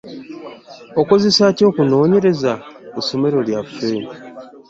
Okozesaaki okunonyereza ku somero lyaffe?